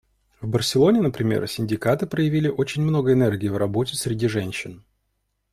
В Барселоне, например, синдикаты проявили очень много энергии в работе среди женщин.